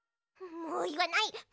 もういわない！